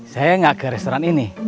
saya nggak ke restoran ini